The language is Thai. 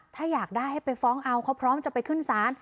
ถ้าอยากได้ให้ไปฟ้องเอาเขาพร้อมจะไปขึ้นศาล